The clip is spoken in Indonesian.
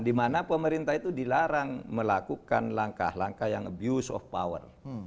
dimana pemerintah itu dilarang melakukan langkah langkah yang abuse of power